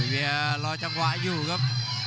เวลารอจังหวะอยู่ครับ